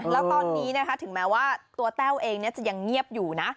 แล้วตอนนี้นะคะถึงแม้ว่าตัวแต้วเองจะยังเงียบอยู่นะ